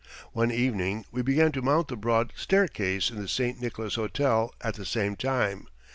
One evening we began to mount the broad staircase in the St. Nicholas Hotel at the same time.